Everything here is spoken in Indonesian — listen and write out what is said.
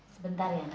sebentar ya nak